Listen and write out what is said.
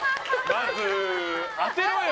まず当てろよ。